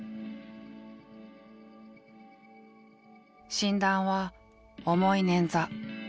診断は重い捻挫。